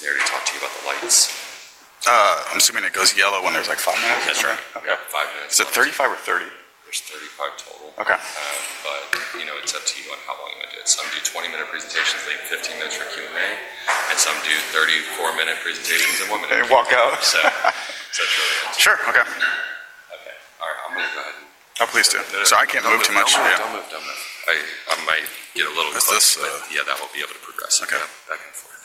We did not necessarily talk to you about the lights. I'm assuming it goes yellow when there's like five minutes. That's right. Okay. Five minutes. Is it 35 or 30? There's 35 total. Okay. But, you know, it's up to you on how long you want to do it. Some do 20-minute presentations, they have 15 minutes for Q&A, and some do 34-minute presentations in one minute. Walk out. It's really up to you. Sure. Okay. Okay. All right. I'm gonna go ahead and. Oh, please do. I can't move too much. Don't move. Don't move. I might get a little clumsy, but. Is this? Yeah, that will be able to progress. Okay. Back and forth.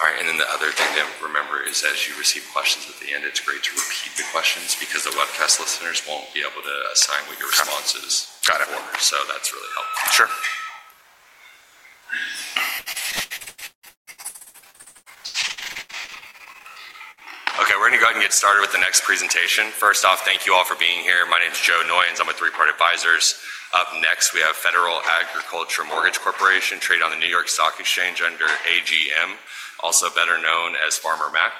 All right. The other thing to remember is, as you receive questions at the end, it's great to repeat the questions because the webcast listeners won't be able to assign what your response is. Got it. That's really helpful. Sure. Okay. We're gonna go ahead and get started with the next presentation. First off, thank you all for being here. My name's Joe Noyons. I'm with Three Part Advisors. Next we have Federal Agricultural Mortgage Corporation, traded on the New York Stock Exchange under AGM, also better known as Farmer Mac.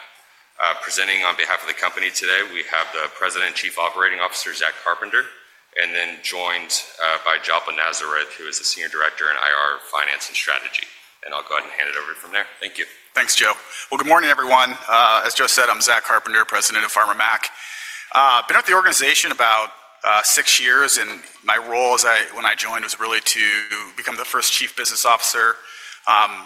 Presenting on behalf of the company today, we have the President and Chief Operating Officer, Zach Carpenter, and then joined by Jalpa Nazareth, who is the Senior Director in IR, Finance, and Strategy. I'll go ahead and hand it over from there. Thank you. Thanks, Joe. Good morning, everyone. As Joe said, I'm Zach Carpenter, President of Farmer Mac. I've been with the organization about six years, and my role as I—when I joined was really to become the first Chief Business Officer,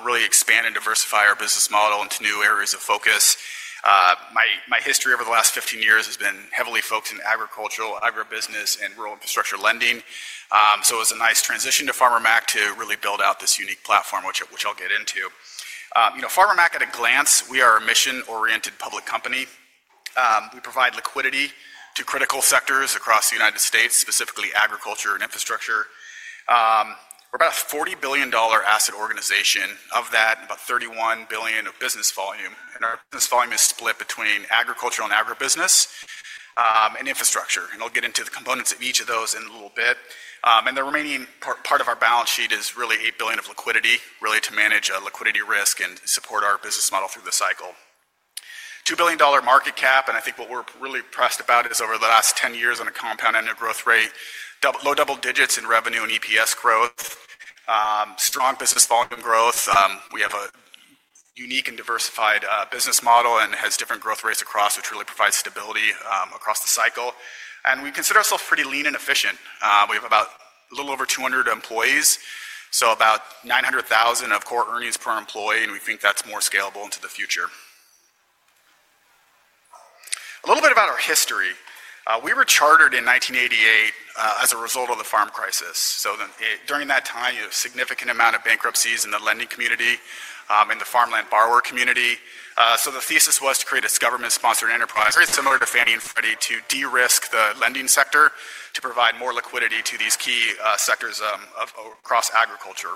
really expand and diversify our business model into new areas of focus. My history over the last 15 years has been heavily focused in agricultural, agribusiness, and rural infrastructure lending. It was a nice transition to Farmer Mac to really build out this unique platform, which I'll get into. You know, Farmer Mac at a glance, we are a mission-oriented public company. We provide liquidity to critical sectors across the United States, specifically agriculture and infrastructure. We're about a $40 billion asset organization, of that about $31 billion of business volume. Our business volume is split between agriculture and agribusiness, and infrastructure. I'll get into the components of each of those in a little bit. The remaining part of our balance sheet is really $8 billion of liquidity, really to manage liquidity risk and support our business model through the cycle. $2 billion market cap, and I think what we're really impressed about is, over the last 10 years, on a compound annual growth rate, low double digits in revenue and EPS growth, strong business volume growth. We have a unique and diversified business model and has different growth rates across, which really provides stability across the cycle. We consider ourselves pretty lean and efficient. We have about a little over 200 employees, so about $900,000 of core earnings per employee, and we think that's more scalable into the future. A little bit about our history. We were chartered in 1988, as a result of the farm crisis. During that time, you have a significant amount of bankruptcies in the lending community, in the farmland borrower community. The thesis was to create a government-sponsored enterprise, very similar to Fannie and Freddie, to de-risk the lending sector to provide more liquidity to these key sectors across agriculture.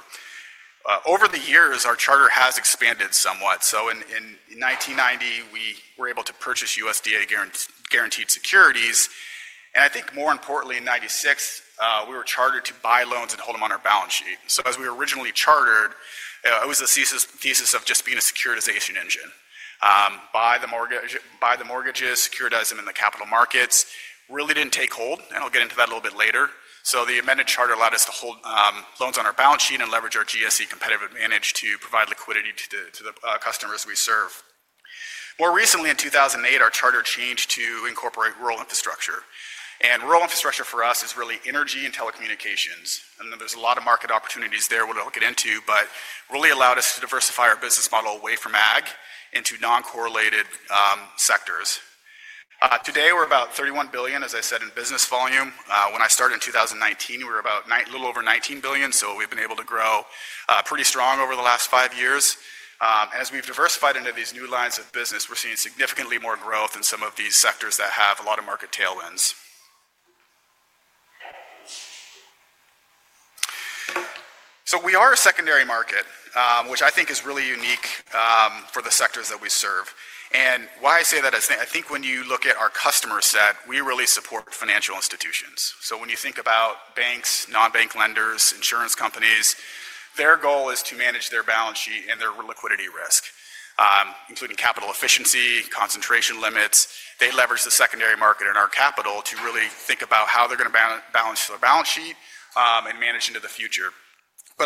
Over the years, our charter has expanded somewhat. In 1990, we were able to purchase USDA guaranteed securities. I think, more importantly, in 1996, we were chartered to buy loans and hold them on our balance sheet. As we were originally chartered, it was a thesis of just being a securitization engine. Buy the mortgage, buy the mortgages, securitize them in the capital markets. Really did not take hold, and I'll get into that a little bit later. The amended charter allowed us to hold loans on our balance sheet and leverage our GSE competitive advantage to provide liquidity to the customers we serve. More recently, in 2008, our charter changed to incorporate rural infrastructure. Rural infrastructure for us is really energy and telecommunications. There are a lot of market opportunities there we will get into, but it really allowed us to diversify our business model away from ag into non-correlated sectors. Today we are about $31 billion, as I said, in business volume. When I started in 2019, we were about $19 billion—a little over $19 billion. We have been able to grow pretty strong over the last five years. As we have diversified into these new lines of business, we are seeing significantly more growth in some of these sectors that have a lot of market tailwinds. We are a secondary market, which I think is really unique, for the sectors that we serve. Why I say that is, I think when you look at our customer set, we really support financial institutions. When you think about banks, non-bank lenders, insurance companies, their goal is to manage their balance sheet and their liquidity risk, including capital efficiency, concentration limits. They leverage the secondary market and our capital to really think about how they're gonna balance their balance sheet, and manage into the future.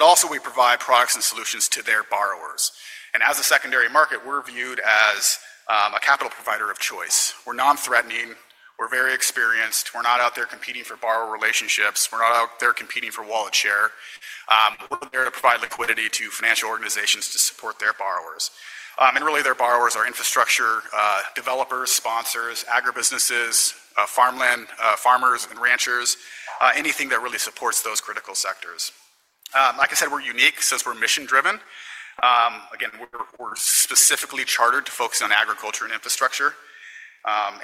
Also, we provide products and solutions to their borrowers. As a secondary market, we're viewed as a capital provider of choice. We're non-threatening. We're very experienced. We're not out there competing for borrower relationships. We're not out there competing for wallet share. We're there to provide liquidity to financial organizations to support their borrowers. And really, their borrowers are infrastructure, developers, sponsors, agribusinesses, farmland, farmers, and ranchers, anything that really supports those critical sectors. Like I said, we're unique since we're mission-driven. Again, we're specifically chartered to focus on agriculture and infrastructure.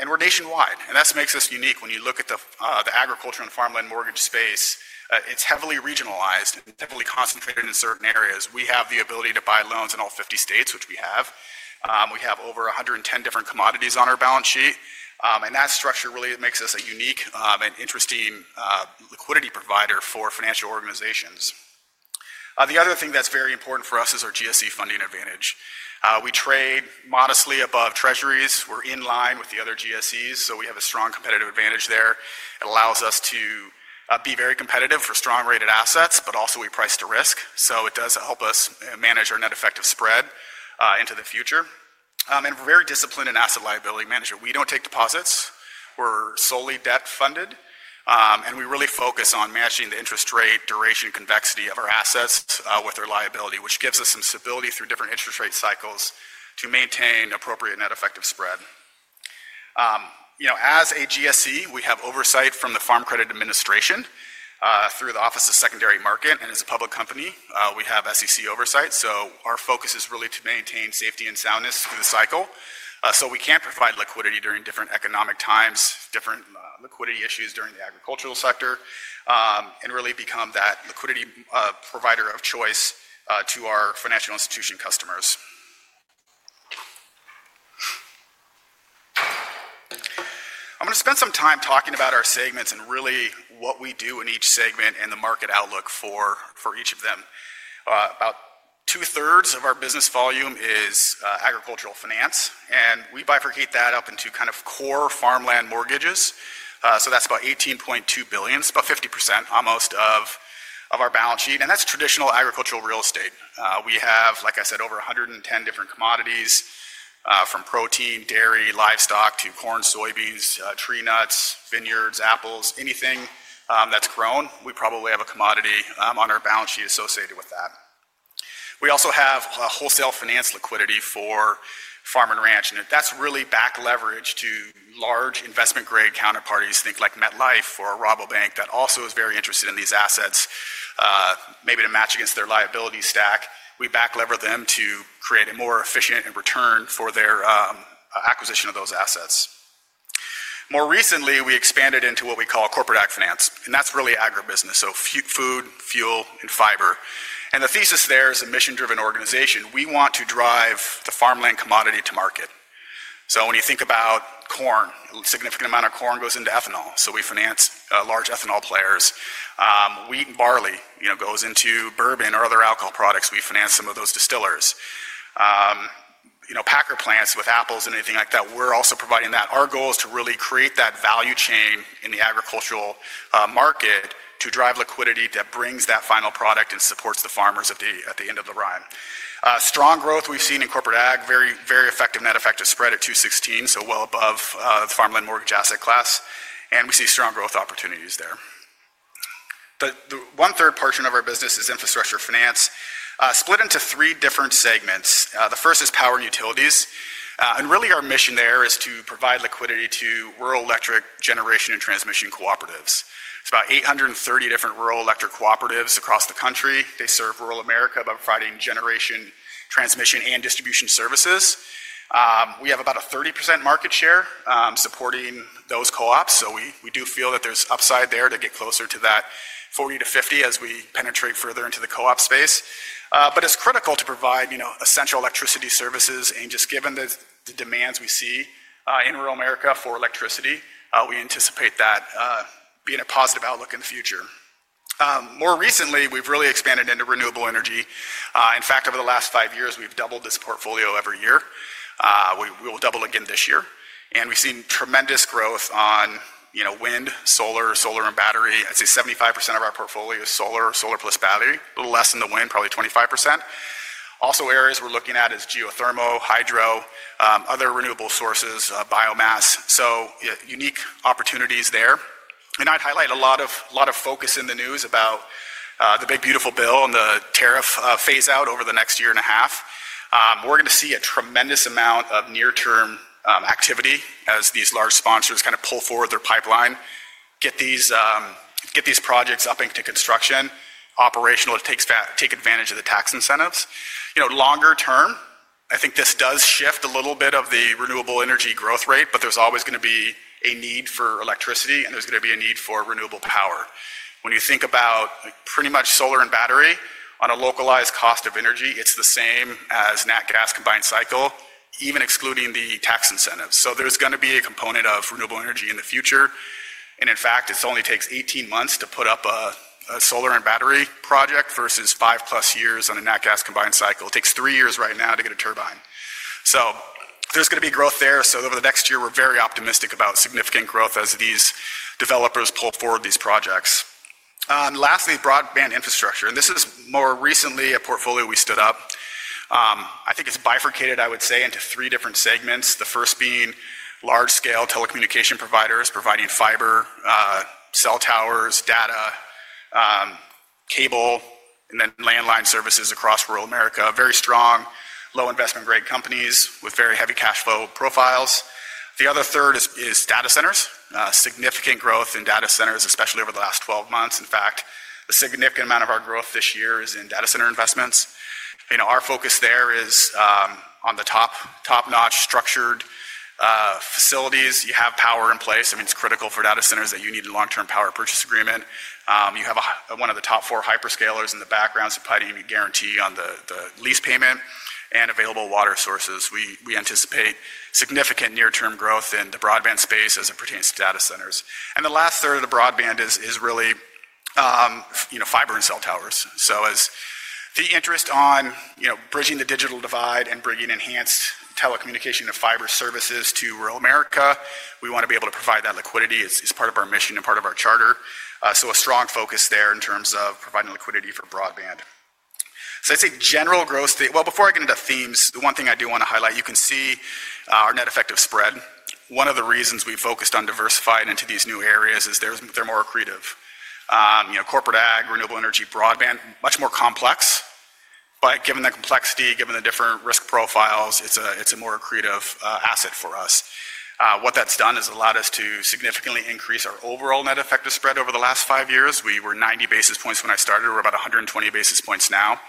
We're nationwide. That makes us unique. When you look at the agriculture and farmland mortgage space, it's heavily regionalized and heavily concentrated in certain areas. We have the ability to buy loans in all 50 states, which we have. We have over 110 different commodities on our balance sheet. That structure really makes us a unique and interesting liquidity provider for financial organizations. The other thing that's very important for us is our GSE funding advantage. We trade modestly above Treasuries. We're in line with the other GSEs, so we have a strong competitive advantage there. It allows us to be very competitive for strong-rated assets, but also we price to risk. It does help us manage our net effective spread into the future. We are very disciplined in asset liability management. We do not take deposits. We are solely debt-funded, and we really focus on matching the interest rate, duration, and convexity of our assets with our liability, which gives us some stability through different interest rate cycles to maintain appropriate net effective spread. You know, as a GSE, we have oversight from the Farm Credit Administration through the Office of Secondary Market. As a public company, we have SEC oversight. Our focus is really to maintain safety and soundness through the cycle, so we can provide liquidity during different economic times, different liquidity issues during the agricultural sector, and really become that liquidity provider of choice to our financial institution customers. I'm gonna spend some time talking about our segments and really what we do in each segment and the market outlook for each of them. About two-thirds of our business volume is agricultural finance, and we bifurcate that up into kind of core farmland mortgages. That's about $18.2 billion. It's about 50%, almost, of our balance sheet. That's traditional agricultural real estate. We have, like I said, over 110 different commodities, from protein, dairy, livestock, to corn, soybeans, tree nuts, vineyards, apples, anything that's grown. We probably have a commodity on our balance sheet associated with that. We also have wholesale finance liquidity for farm and ranch, and that's really back-leveraged to large investment-grade counterparties. Think like MetLife or Rabobank that also is very interested in these assets, maybe to match against their liability stack. We back-lever them to create a more efficient return for their acquisition of those assets. More recently, we expanded into what we call corporate ag finance, and that's really agribusiness. So food, fuel, and fiber. The thesis there is a mission-driven organization. We want to drive the farmland commodity to market. When you think about corn, a significant amount of corn goes into Ethanol. We finance large Ethanol players. Wheat and barley, you know, goes into Bourbon or other alcohol products. We finance some of those distillers. You know, packer plants with apples and anything like that. We're also providing that. Our goal is to really create that value chain in the agricultural market to drive liquidity that brings that final product and supports the farmers at the end of the rhyme. Strong growth we've seen in corporate ag, very, very effective net effective spread at 216, so well above the farmland mortgage asset class. We see strong growth opportunities there. The one-third portion of our business is infrastructure finance, split into three different segments. The first is power and utilities. Really our mission there is to provide liquidity to rural electric generation and transmission cooperatives. It's about 830 different rural electric cooperatives across the country. They serve rural America by providing generation, transmission, and distribution services. We have about a 30% market share, supporting those co-ops. We do feel that there's upside there to get closer to that 40-50% as we penetrate further into the co-op space. It's critical to provide, you know, essential electricity services. Just given the demands we see in rural America for electricity, we anticipate that being a positive outlook in the future. More recently, we've really expanded into renewable energy. In fact, over the last five years, we've doubled this portfolio every year. We will double again this year. We've seen tremendous growth on, you know, Wind, Solar, Solar and Battery. I'd say 75% of our portfolio is Solar, Solar plus Battery. A little less than the Wind, probably 25%. Also, areas we're looking at are Geothermal, Hydro, other renewable sources, Biomass. Unique opportunities there. I'd highlight a lot of focus in the news about the big, beautiful bill and the tariff phase-out over the next year and a half. We're gonna see a tremendous amount of near-term activity as these large sponsors kind of pull forward their pipeline, get these projects up into construction, operational, take advantage of the tax incentives. You know, longer term, I think this does shift a little bit of the renewable energy growth rate, but there's always gonna be a need for electricity, and there's gonna be a need for renewable power. When you think about pretty much Solar and Battery on a localized cost of energy, it's the same as net gas combined cycle, even excluding the tax incentives. There's gonna be a component of renewable energy in the future. In fact, it only takes 18 months to put up a—a Solar and Battery project versus five-plus years on a net gas combined cycle. It takes three years right now to get a turbine. There's gonna be growth there. Over the next year, we're very optimistic about significant growth as these developers pull forward these projects. And lastly, broadband infrastructure. This is more recently a portfolio we stood up. I think it's bifurcated, I would say, into three different segments. The first being large-scale telecommunication providers providing fiber, cell towers, data, cable, and then landline services across rural America. Very strong, low-investment-grade companies with very heavy cash flow profiles. The other third is data centers. Significant growth in data centers, especially over the last 12 months. In fact, a significant amount of our growth this year is in data center investments. You know, our focus there is, on the top, top-notch structured facilities. You have power in place. I mean, it's critical for data centers that you need a long-term power purchase agreement. You have one of the top four hyperscalers in the background supplying a guarantee on the lease payment and available water sources. We anticipate significant near-term growth in the broadband space as it pertains to data centers. The last third of the broadband is really, you know, fiber and cell towers. As the interest on, you know, bridging the digital divide and bringing enhanced telecommunication and fiber services to rural America, we want to be able to provide that liquidity. It is part of our mission and part of our charter. A strong focus there in terms of providing liquidity for broadband. I would say general growth. Before I get into themes, the one thing I do want to highlight, you can see, our net effective spread. One of the reasons we focused on diversifying into these new areas is they are more accretive. You know, Corporate AG, renewable energy, broadband, much more complex. But given the complexity, given the different risk profiles, it's a—it's a more accretive asset for us. What that's done is allowed us to significantly increase our overall net effective spread over the last five years. We were 90 basis points when I started. We're about 120 basis points now.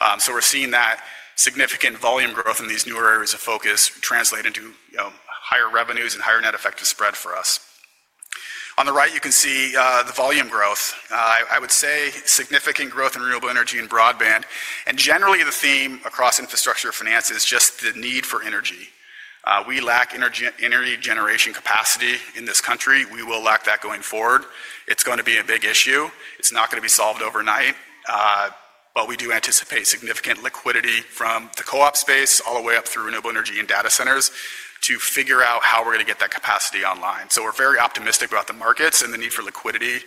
You know, we're seeing that significant volume growth in these newer areas of focus translate into, you know, higher revenues and higher net effective spread for us. On the right, you can see the volume growth. I would say significant growth in renewable energy and broadband. Generally, the theme across infrastructure finance is just the need for energy. We lack energy—energy generation capacity in this country. We will lack that going forward. It's gonna be a big issue. It's not gonna be solved overnight. We do anticipate significant liquidity from the co-op space all the way up through renewable energy and data centers to figure out how we're gonna get that capacity online. We are very optimistic about the markets and the need for liquidity,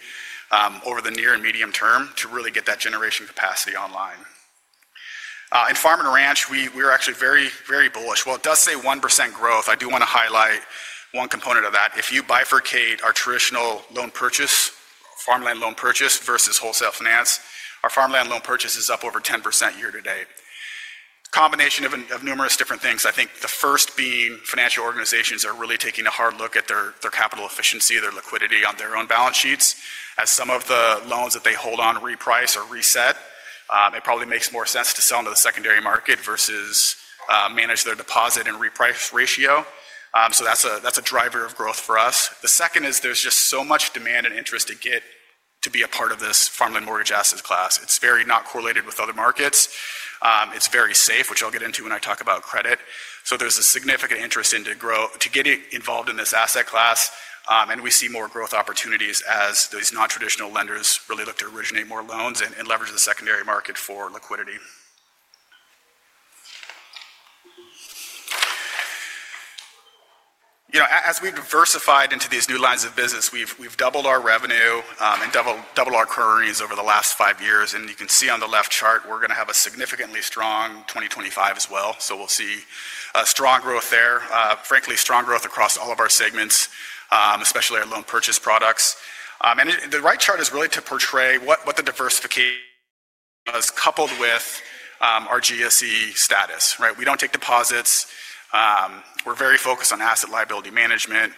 over the near and medium term to really get that generation capacity online. In farm and ranch, we are actually very, very bullish. While it does say 1% growth, I do wanna highlight one component of that. If you bifurcate our traditional loan purchase, farmland loan purchase versus wholesale finance, our farmland loan purchase is up over 10% year to date. Combination of numerous different things. I think the first being financial organizations are really taking a hard look at their capital efficiency, their liquidity on their own balance sheets. As some of the loans that they hold on reprice or reset, it probably makes more sense to sell into the secondary market versus manage their deposit and reprice ratio. That is a driver of growth for us. The second is there is just so much demand and interest to get to be a part of this farmland mortgage asset class. It is very not correlated with other markets. It is very safe, which I will get into when I talk about credit. There is a significant interest to grow, to get involved in this asset class. We see more growth opportunities as these non-traditional lenders really look to originate more loans and leverage the secondary market for liquidity. You know, as we have diversified into these new lines of business, we have doubled our revenue, and doubled our current earnings over the last five years. You can see on the left chart, we're gonna have a significantly strong 2025 as well. We will see strong growth there. Frankly, strong growth across all of our segments, especially our loan purchase products. The right chart is really to portray what the diversification is coupled with our GSE status, right? We do not take deposits. We are very focused on asset liability management.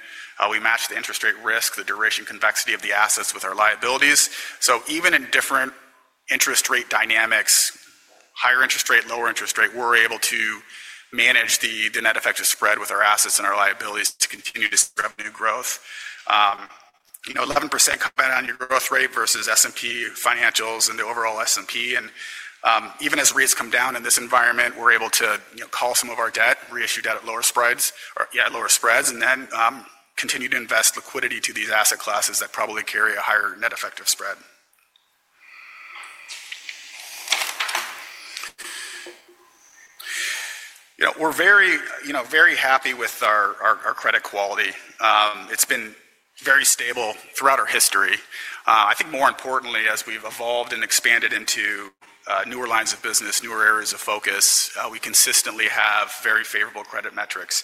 We match the interest rate risk, the duration, convexity of the assets with our liabilities. Even in different interest rate dynamics, higher interest rate, lower interest rate, we are able to manage the net effective spread with our assets and our liabilities to continue to see revenue growth. You know, 11% combined on your growth rate versus S&P financials and the overall S&P. Even as rates come down in this environment, we're able to, you know, call some of our debt, reissue debt at lower spreads, or, yeah, at lower spreads, and then continue to invest liquidity to these asset classes that probably carry a higher net effective spread. You know, we're very, you know, very happy with our—our—our credit quality. It's been very stable throughout our history. I think more importantly, as we've evolved and expanded into newer lines of business, newer areas of focus, we consistently have very favorable credit metrics.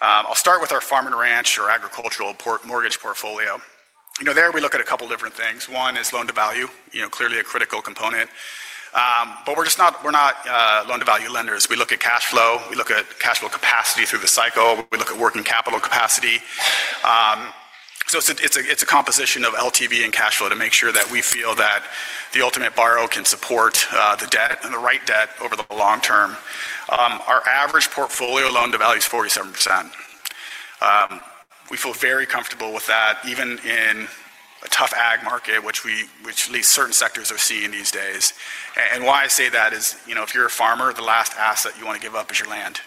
I'll start with our farm and ranch or agricultural mortgage portfolio. You know, there we look at a couple different things. One is loan to value, you know, clearly a critical component. We're just not—we're not loan to value lenders. We look at cash flow. We look at cash flow capacity through the cycle. We look at working capital capacity. It is a composition of LTV and cash flow to make sure that we feel that the ultimate borrower can support the debt and the right debt over the long term. Our average portfolio loan to value is 47%. We feel very comfortable with that even in a tough AG market, which at least certain sectors are seeing these days. Why I say that is, you know, if you're a farmer, the last asset you want to give up is your land.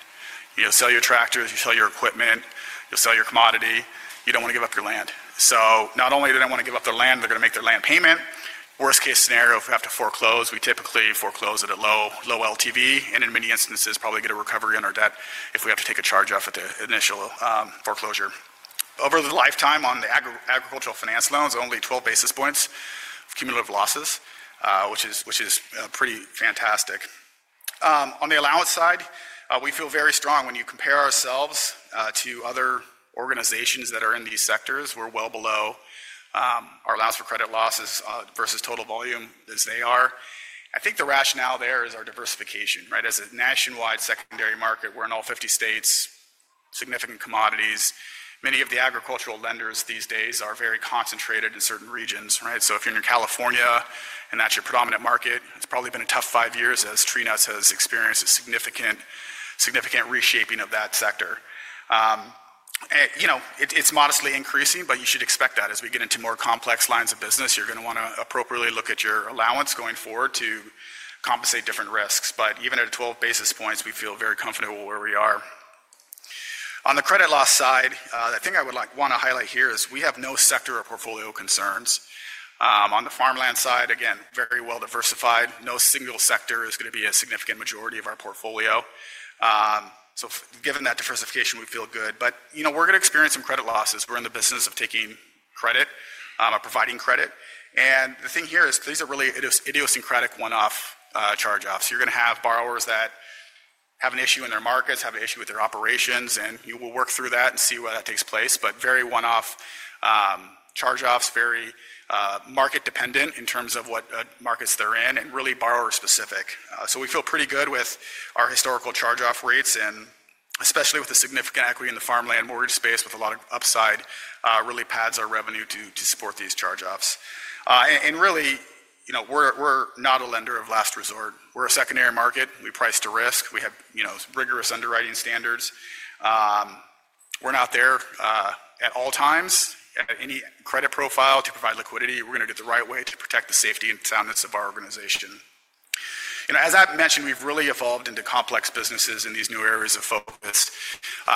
You know, sell your tractors, you sell your equipment, you'll sell your commodity. You do not want to give up your land. Not only do they not want to give up their land, they are going to make their land payment. Worst case scenario, if we have to foreclose, we typically foreclose at a low, low LTV and in many instances probably get a recovery on our debt if we have to take a charge off at the initial foreclosure. Over the lifetime on the agricultural finance loans, only 12 basis points of cumulative losses, which is pretty fantastic. On the allowance side, we feel very strong when you compare ourselves to other organizations that are in these sectors. We're well below our Allowance for Credit Losses versus total volume as they are. I think the rationale there is our diversification, right? As a nationwide secondary market, we're in all 50 states, significant commodities. Many of the agricultural lenders these days are very concentrated in certain regions, right? If you're in California and that's your predominant market, it's probably been a tough five years as Trina has experienced a significant, significant reshaping of that sector. You know, it's modestly increasing, but you should expect that as we get into more complex lines of business, you're gonna wanna appropriately look at your allowance going forward to compensate different risks. Even at 12 basis points, we feel very comfortable where we are. On the credit loss side, the thing I would wanna highlight here is we have no sector or portfolio concerns. On the farmland side, again, very well diversified. No single sector is gonna be a significant majority of our portfolio. Given that diversification, we feel good. You know, we're gonna experience some credit losses. We're in the business of taking credit, of providing credit. The thing here is these are really idiosyncratic one-off charge-offs. You're gonna have borrowers that have an issue in their markets, have an issue with their operations, and you will work through that and see where that takes place. Very one-off charge-offs, very market dependent in terms of what markets they're in and really borrower specific. We feel pretty good with our historical charge-off rates and especially with the significant equity in the farmland mortgage space, with a lot of upside, really pads our revenue to support these charge-offs. Really, you know, we're—we're not a lender of last resort. We're a secondary market. We price to risk. We have, you know, rigorous underwriting standards. We're not there, at all times at any credit profile to provide liquidity. We're gonna do it the right way to protect the safety and soundness of our organization. You know, as I've mentioned, we've really evolved into complex businesses in these new areas of focus,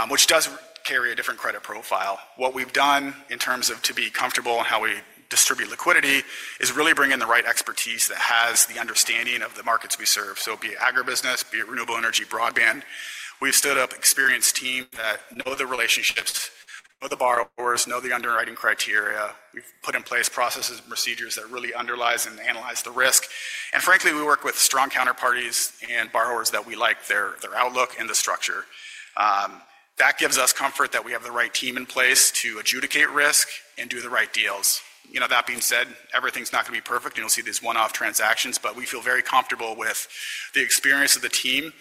which does carry a different credit profile. What we've done in terms of to be comfortable in how we distribute liquidity is really bring in the right expertise that has the understanding of the markets we serve. Be it agribusiness, be it renewable energy, broadband, we've stood up experienced teams that know the relationships, know the borrowers, know the underwriting criteria. We've put in place processes and procedures that really underlie and analyze the risk. Frankly, we work with strong counterparties and borrowers that we like their outlook and the structure. That gives us comfort that we have the right team in place to adjudicate risk and do the right deals. You know, that being said, everything's not gonna be perfect and you'll see these one-off transactions, but we feel very comfortable with the experience of the team,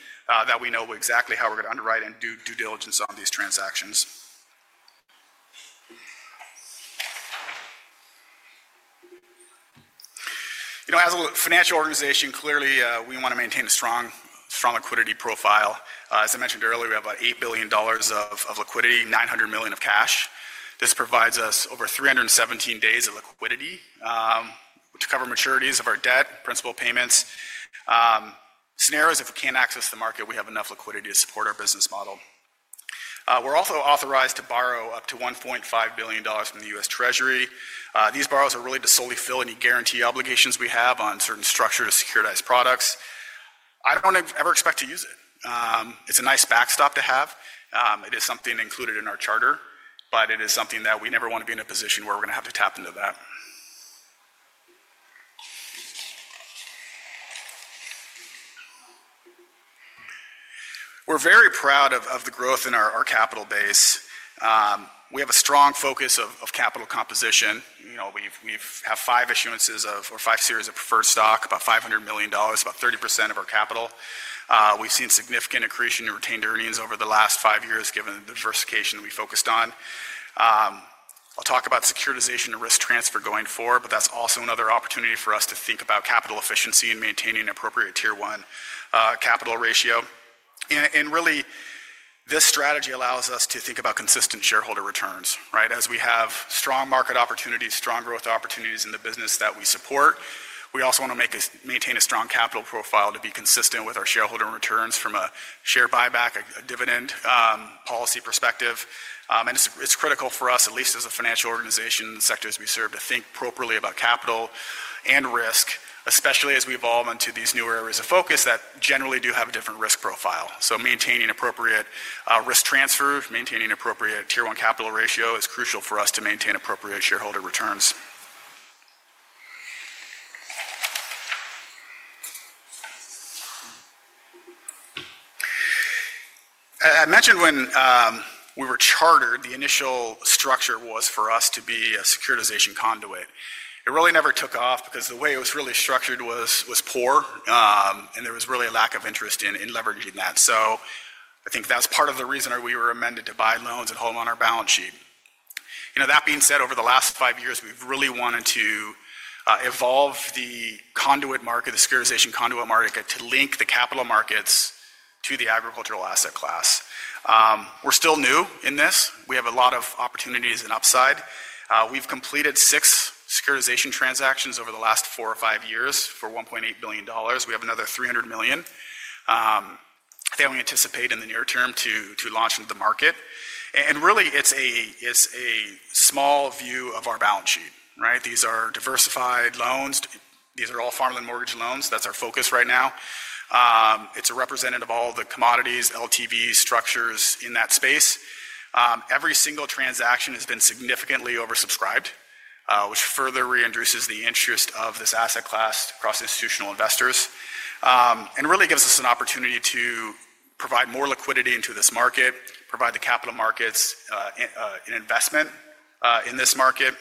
that we know exactly how we're gonna underwrite and do due diligence on these transactions. You know, as a financial organization, clearly, we wanna maintain a strong, strong liquidity profile. As I mentioned earlier, we have about $8 billion of liquidity, $900 million of cash. This provides us over 317 days of liquidity to cover maturities of our debt, principal payments, scenarios if we can't access the market, we have enough liquidity to support our business model. We're also authorized to borrow up to $1.5 billion from the U.S. Treasury. These borrows are really to solely fill any guarantee obligations we have on certain structured securitized products. I don't ever expect to use it. It's a nice backstop to have. It is something included in our charter, but it is something that we never wanna be in a position where we're gonna have to tap into that. We're very proud of the growth in our capital base. We have a strong focus of capital composition. You know, we've had five issuances of or five series of preferred stock, about $500 million, about 30% of our capital. We've seen significant accretion in retained earnings over the last five years given the diversification that we focused on. I'll talk about securitization and risk transfer going forward, but that's also another opportunity for us to think about capital efficiency and maintaining an appropriate Tier one capital ratio. This strategy allows us to think about consistent shareholder returns, right? As we have strong market opportunities, strong growth opportunities in the business that we support, we also wanna maintain a strong capital profile to be consistent with our shareholder returns from a share buyback, a dividend, policy perspective. It's critical for us, at least as a financial organization, the sectors we serve, to think appropriately about capital and risk, especially as we evolve into these new areas of focus that generally do have a different risk profile. Maintaining appropriate risk transfer, maintaining appropriate Tier one capital ratio is crucial for us to maintain appropriate shareholder returns. I mentioned when we were chartered, the initial structure was for us to be a securitization conduit. It really never took off because the way it was really structured was poor, and there was really a lack of interest in leveraging that. I think that's part of the reason why we were amended to buy loans and hold them on our balance sheet. You know, that being said, over the last five years, we've really wanted to evolve the conduit market, the securitization conduit market, to link the capital markets to the agricultural asset class. We're still new in this. We have a lot of opportunities and upside. We've completed six securitization transactions over the last four or five years for $1.8 billion. We have another $300 million that we anticipate in the near term to launch into the market. Really, it's a small view of our balance sheet, right? These are diversified loans. These are all farmland mortgage loans. That's our focus right now. It's a representative of all the commodities, LTV structures in that space. Every single transaction has been significantly oversubscribed, which further re-induces the interest of this asset class across institutional investors, and really gives us an opportunity to provide more liquidity into this market, provide the capital markets an investment in this market,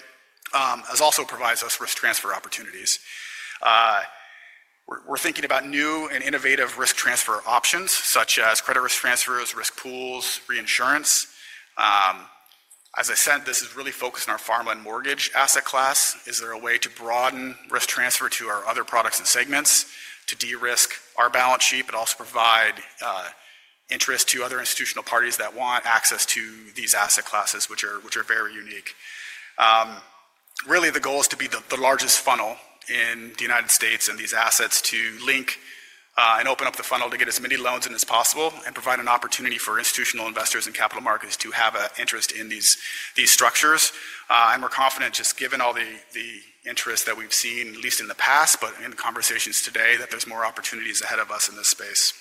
as also provides us risk transfer opportunities. We're thinking about new and innovative risk transfer options such as Credit Risk Transfers, risk pools, reinsurance. As I said, this is really focused on our farmland mortgage asset class. Is there a way to broaden risk transfer to our other products and segments to de-risk our balance sheet, but also provide interest to other institutional parties that want access to these asset classes, which are very unique. Really, the goal is to be the largest funnel in the United States in these assets to link, and open up the funnel to get as many loans in as possible and provide an opportunity for institutional investors and capital markets to have an interest in these structures. We're confident just given all the interest that we've seen, at least in the past, but in conversations today, that there's more opportunities ahead of us in this space.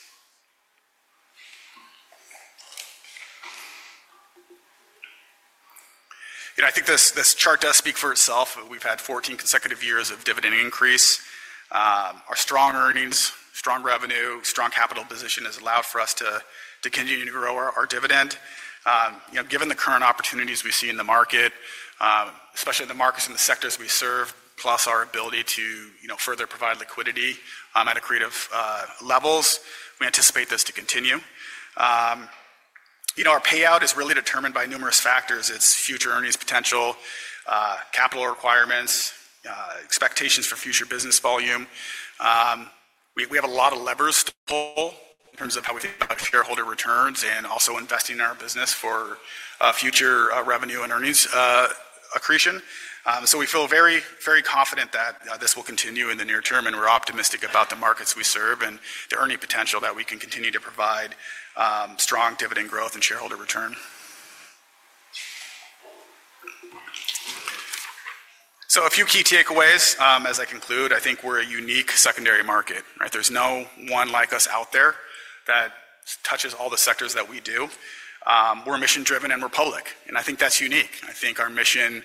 You know, I think this chart does speak for itself. We've had 14 consecutive years of dividend increase. Our strong earnings, strong revenue, strong capital position has allowed for us to continue to grow our dividend. You know, given the current opportunities we see in the market, especially in the markets and the sectors we serve, plus our ability to, you know, further provide liquidity at accretive levels, we anticipate this to continue. You know, our payout is really determined by numerous factors. It's future earnings potential, capital requirements, expectations for future business volume. We have a lot of levers to pull in terms of how we think about shareholder returns and also investing in our business for future revenue and earnings accretion. We feel very, very confident that this will continue in the near term, and we're optimistic about the markets we serve and the earning potential that we can continue to provide, strong dividend growth and shareholder return. A few key takeaways, as I conclude, I think we're a unique secondary market, right? There's no one like us out there that touches all the sectors that we do. We're mission-driven and we're public, and I think that's unique. I think our mission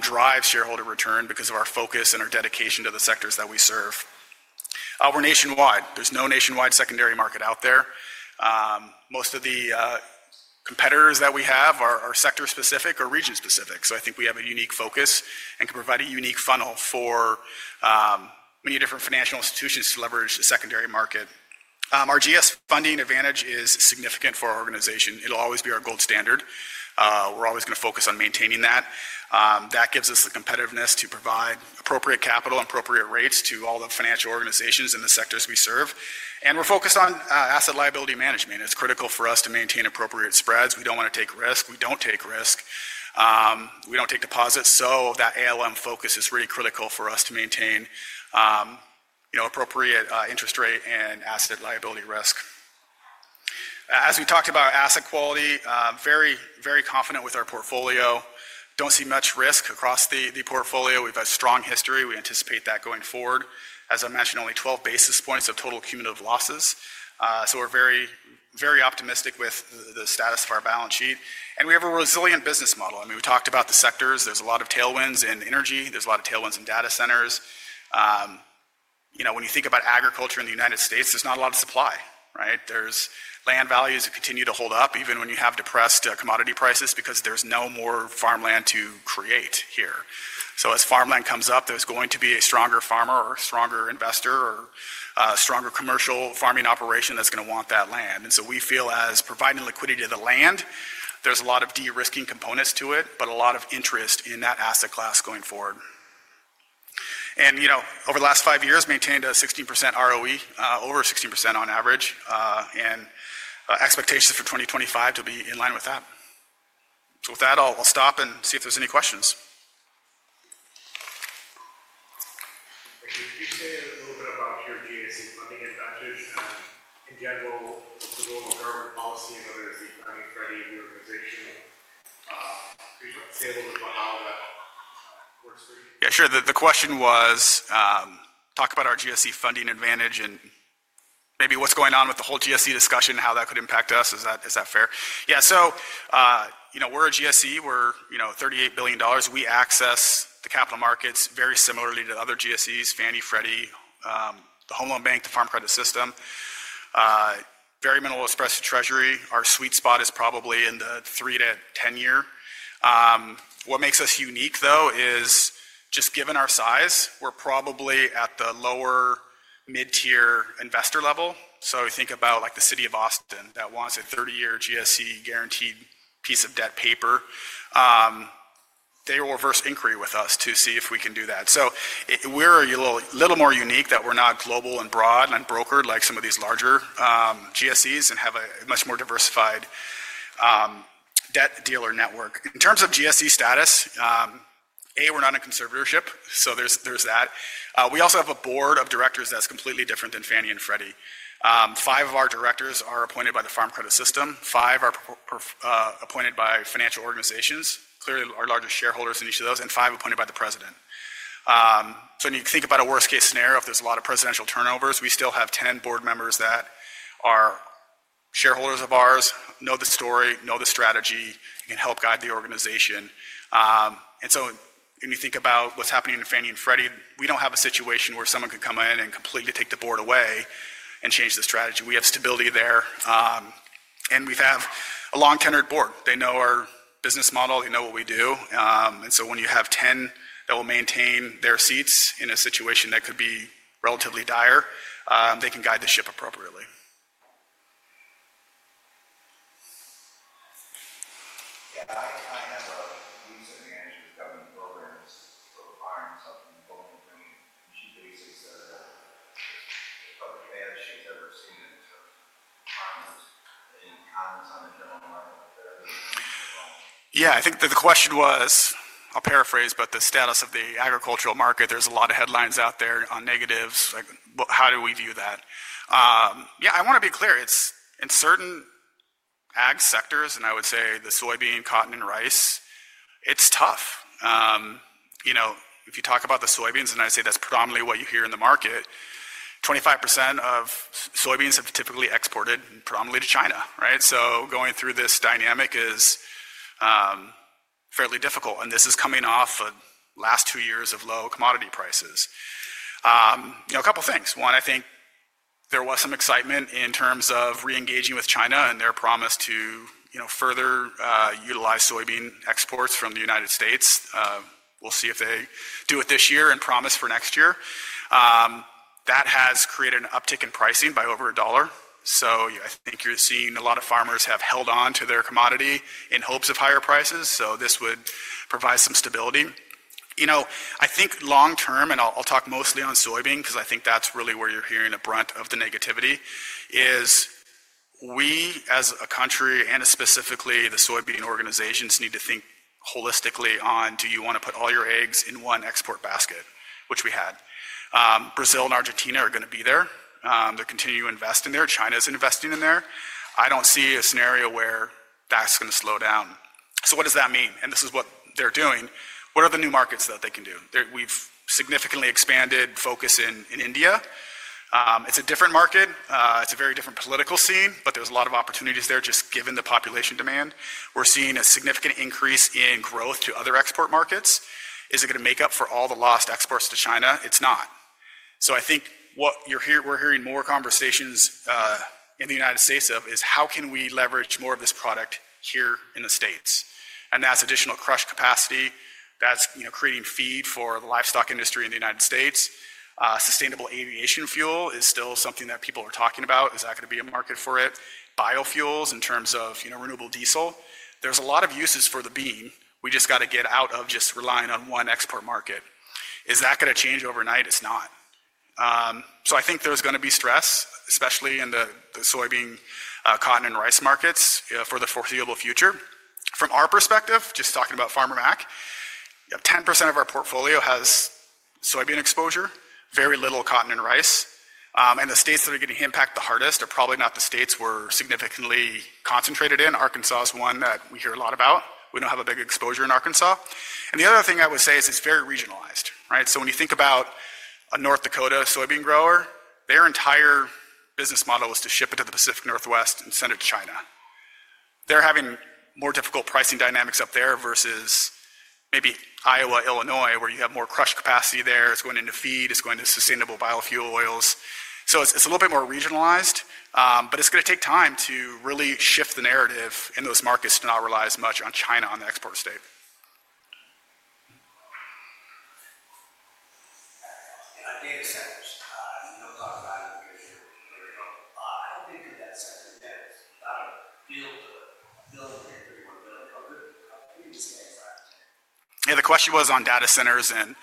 drives shareholder return because of our focus and our dedication to the sectors that we serve. We're nationwide. There's no nationwide secondary market out there. Most of the competitors that we have are sector-specific or region-specific. I think we have a unique focus and can provide a unique funnel for many different financial institutions to leverage the secondary market. Our GSE funding advantage is significant for our organization. It'll always be our gold standard. We're always gonna focus on maintaining that. That gives us the competitiveness to provide appropriate capital and appropriate rates to all the financial organizations in the sectors we serve. We're focused on asset liability management. It's critical for us to maintain appropriate spreads. We don't wanna take risk. We don't take risk. We don't take deposits. That ALM focus is really critical for us to maintain, you know, appropriate interest rate and asset liability risk. As we talked about our asset quality, very, very confident with our portfolio. Don't see much risk across the portfolio. We've had strong history. We anticipate that going forward. As I mentioned, only 12 basis points of total cumulative losses. We are very, very optimistic with the status of our balance sheet. We have a resilient business model. I mean, we talked about the sectors. There's a lot of tailwinds in energy. There's a lot of tailwinds in data centers. You know, when you think about agriculture in the United States, there's not a lot of supply, right? There's land values that continue to hold up even when you have depressed commodity prices because there's no more farmland to create here. As farmland comes up, there's going to be a stronger farmer or stronger investor or stronger commercial farming operation that's gonna want that land. We feel as providing liquidity to the land, there's a lot of de-risking components to it, but a lot of interest in that asset class going forward. You know, over the last five years, maintained a 16% ROE, over 16% on average, and expectations for 2025 to be in line with that. With that, I'll stop and see if there's any questions. Thank you. Could you say a little bit about your GSE funding advantage and, in general, the role of government policy and whether it's the planning strategy of the organization? Could you just like say a little bit about how that works for you? Yeah, sure. The question was, talk about our GSE funding advantage and maybe what's going on with the whole GSE discussion and how that could impact us. Is that fair? Yeah. You know, we're a GSE. We're, you know, $38 billion. We access the capital markets very similarly to other GSEs: Fannie, Freddie, the Home Loan Bank, the Farm Credit System, very minimal express to Treasury. Our sweet spot is probably in the three- to 10-year. What makes us unique, though, is just given our size, we're probably at the lower mid-tier investor level. We think about like the city of Austin that wants a 30-year GSE guaranteed piece of debt paper. They will reverse inquiry with us to see if we can do that. We're a little more unique that we're not global and broad and unbrokered like some of these larger GSEs and have a much more diversified debt dealer network. In terms of GSE status, A, we're not in conservatorship. There's that. We also have a board of directors that's completely different than Fannie and Freddie. Five of our directors are appointed by the Farm Credit System. Five are appointed by financial organizations, clearly our largest shareholders in each of those, and five appointed by the president. When you think about a worst-case scenario, if there's a lot of presidential turnovers, we still have 10 board members that are shareholders of ours, know the story, know the strategy, and can help guide the organization. When you think about what's happening in Fannie and Freddie, we don't have a situation where someone could come in and completely take the board away and change the strategy. We have stability there. We have a long-tenured board. They know our business model. They know what we do. When you have 10 that will maintain their seats in a situation that could be relatively dire, they can guide the ship appropriately. I have a news that manages government programs for buying something and going to bring it. She basically said that the public bad she's ever seen in terms of comments in comments on the general market that everyone's going to get wrong. I think that the question was, I'll paraphrase, but the status of the agricultural market. There's a lot of headlines out there on negatives. Like, how do we view that? Yeah, I wanna be clear. It's in certain ag sectors, and I would say the soybean, cotton, and rice, it's tough. You know, if you talk about the soybeans, and I say that's predominantly what you hear in the market, 25% of soybeans have typically exported predominantly to China, right? Going through this dynamic is fairly difficult. This is coming off of the last two years of low commodity prices. You know, a couple of things. One, I think there was some excitement in terms of re-engaging with China and their promise to, you know, further utilize soybean exports from the United States. We'll see if they do it this year and promise for next year. That has created an uptick in pricing by over a dollar. I think you're seeing a lot of farmers have held on to their commodity in hopes of higher prices. This would provide some stability. You know, I think long-term, and I'll talk mostly on soybean because I think that's really where you're hearing a brunt of the negativity, is we as a country and specifically the soybean organizations need to think holistically on, do you wanna put all your eggs in one export basket, which we had? Brazil and Argentina are gonna be there. They're continuing to invest in there. China's investing in there. I don't see a scenario where that's gonna slow down. What does that mean? This is what they're doing. What are the new markets that they can do? We've significantly expanded focus in India. It's a different market. It's a very different political scene, but there's a lot of opportunities there just given the population demand. We're seeing a significant increase in growth to other export markets. Is it gonna make up for all the lost exports to China? It's not. I think what you're hearing, we're hearing more conversations in the United States of how can we leverage more of this product here in the States. That's additional crush capacity. That's, you know, creating feed for the livestock industry in the United States. Sustainable aviation fuel is still something that people are talking about. Is that gonna be a market for it? Biofuels in terms of, you know, renewable diesel. There's a lot of uses for the bean. We just gotta get out of just relying on one export market. Is that gonna change overnight? It's not. I think there's gonna be stress, especially in the soybean, cotton and rice markets, for the foreseeable future. From our perspective, just talking about Farmer Mac, you have 10% of our portfolio has soybean exposure, very little cotton and rice. The states that are getting impacted the hardest are probably not the states we're significantly concentrated in. Arkansas is one that we hear a lot about. We don't have a big exposure in Arkansas. The other thing I would say is it's very regionalized, right? When you think about a North Dakota soybean grower, their entire business model was to ship it to the Pacific Northwest and send it to China. They're having more difficult pricing dynamics up there versus maybe Iowa, Illinois, where you have more crush capacity there. It's going into feed. It's going to sustainable biofuel oils. It's a little bit more regionalized, but it's gonna take time to really shift the narrative in those markets to not rely as much on China on the export state. Data centers, you don't talk about it because you're very helpful. How big could data centers get? You gotta build a, build a 1031 building covered. How big is the data center? Yeah, the question was on data centers and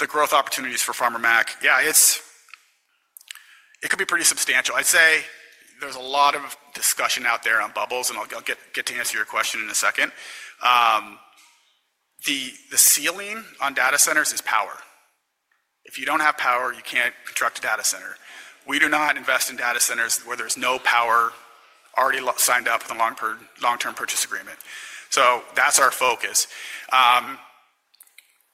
the growth opportunities for Farmer Mac. Yeah, it could be pretty substantial. I'd say there's a lot of discussion out there on bubbles, and I'll get to answer your question in a second. The ceiling on data centers is power. If you don't have power, you can't construct a data center. We do not invest in data centers where there's no power already signed up with a long-term, long-term purchase agreement. That's our focus.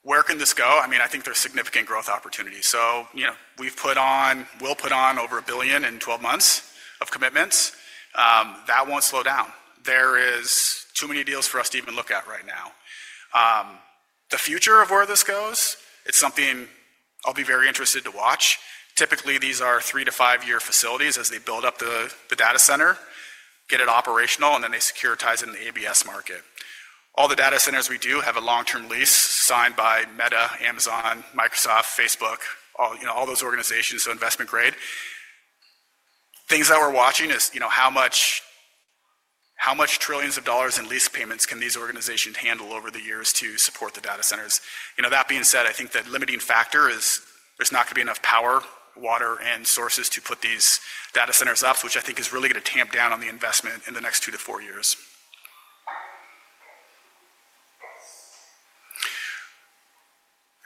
Where can this go? I mean, I think there's significant growth opportunities. You know, we've put on, we'll put on over $1 billion in 12 months of commitments. That won't slow down. There are too many deals for us to even look at right now. The future of where this goes, it's something I'll be very interested to watch. Typically, these are three- to five-year facilities as they build up the data center, get it operational, and then they securitize in the ABS market. All the data centers we do have a long-term lease signed by Meta, Amazon, Microsoft, Facebook, all, you know, all those organizations. Investment-grade things that we're watching is, you know, how much, how much trillions of dollars in lease payments can these organizations handle over the years to support the data centers? You know, that being said, I think that limiting factor is there's not gonna be enough power, water, and sources to put these data centers up, which I think is really gonna tamp down on the investment in the next two to four years.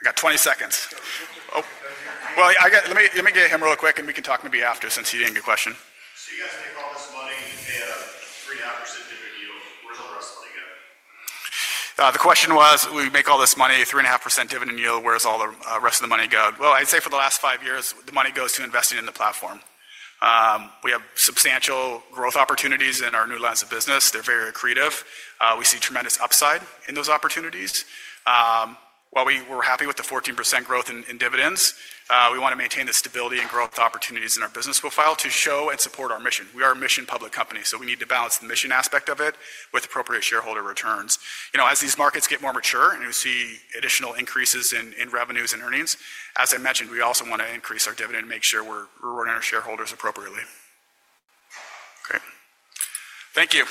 I got 20 seconds. Oh, I got, let me get him real quick and we can talk maybe after since he didn't get a question. So you guys make all this money and pay a 3.5% dividend yield. Where's the rest of the money go? The question was, we make all this money, 3.5% dividend yield. Where's all the rest of the money go? I'd say for the last five years, the money goes to investing in the platform. We have substantial growth opportunities in our new lines of business. They're very creative. We see tremendous upside in those opportunities. While we were happy with the 14% growth in, in dividends, we wanna maintain the stability and growth opportunities in our business profile to show and support our mission. We are a mission-public company. So we need to balance the mission aspect of it with appropriate shareholder returns. You know, as these markets get more mature and we see additional increases in, in revenues and earnings, as I mentioned, we also wanna increase our dividend and make sure we're, we're rewarding our shareholders appropriately. Great. Thank you.